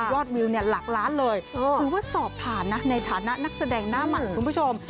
วิวเนี่ยหลักล้านเลยถือว่าสอบผ่านนะในฐานะนักแสดงหน้าใหม่คุณผู้ชม